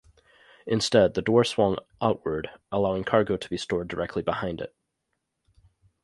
Instead, the door swung outward, allowing cargo to be stored directly behind it.